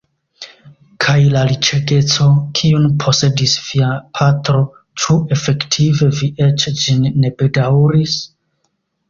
Kaj la riĉegeco, kiun posedis via patro, ĉu efektive vi eĉ ĝin ne bedaŭris?